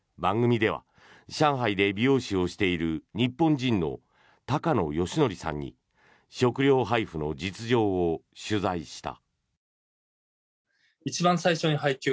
番組では上海で美容師をしている日本人の高野義徳さんに食料配布の実情を取材した。